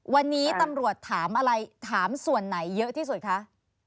วันนี้ตำรวจถามอะไรถามส่วนไหนเยอะที่สุดคะ